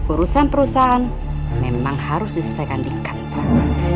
urusan perusahaan memang harus diselesaikan di kantor